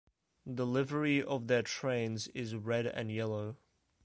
The livery of their trains is red and yellow.